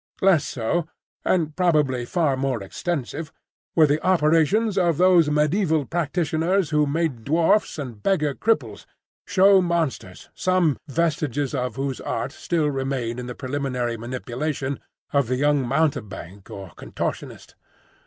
Less so, and probably far more extensive, were the operations of those mediaeval practitioners who made dwarfs and beggar cripples, show monsters,—some vestiges of whose art still remain in the preliminary manipulation of the young mountebank or contortionist.